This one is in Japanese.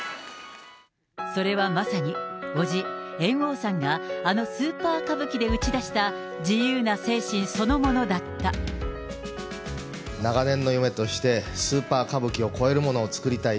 それはまさに伯父、猿翁さんがあのスーパー歌舞伎で打ち出した自由な精神そのものだ長年の夢として、スーパー歌舞伎を超えるものを作りたい。